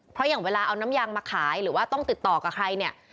เพราะอย่างเวลาเอาน้ำยางมาขายหรือว่าต้องติดต่อกับใครเนี่ย